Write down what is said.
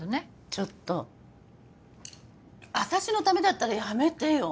ちょっと私のためだったらやめてよ